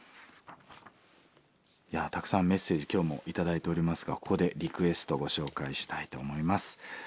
たくさんメッセージ今日も頂いておりますがここでリクエストご紹介したいと思います。